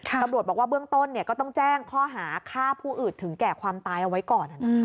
ตำรวจบอกว่าเบื้องต้นก็ต้องแจ้งข้อหาฆ่าผู้อื่นถึงแก่ความตายเอาไว้ก่อน